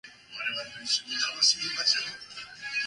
Another way to hedge is the beta neutral.